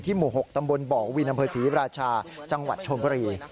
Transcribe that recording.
ที่หมู่๖ตำบลบวินัมเภอศรีราชาจังหวัดชมพรี